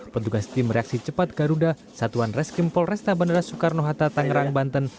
petugas tim reaksi cepat garuda satuan reskim polresta bandara soekarno hatta tangerang banten